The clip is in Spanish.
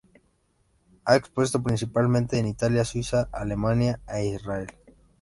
Ha expuesto principalmente en Italia, Suiza, Alemania e Israel.